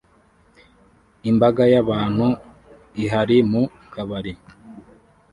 Imbaga y'abantu ihari mu kabari